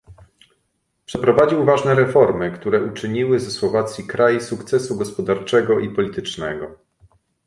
Przeprowadził ważne reformy, które uczyniły ze Słowacji kraj sukcesu gospodarczego i politycznego